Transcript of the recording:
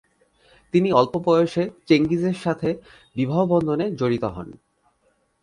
তিনি অল্প বয়সে চেঙ্গিজের সাথে বিবাহ বন্ধনে জড়িত হন।